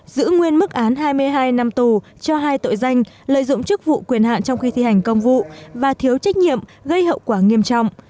giữ nguyên mức án hai mươi hai năm tù cho hai tội danh lợi dụng chức vụ quyền hạn trong khi thi hành công vụ và thiếu trách nhiệm gây hậu quả nghiêm trọng